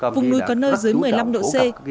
vùng núi có nơi dưới một mươi năm độ c